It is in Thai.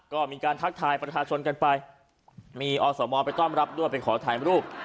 ก็มีการทักทายประชาชนกันไปมีอสมไปต้อนรับด้วยไปขอถ่ายรูป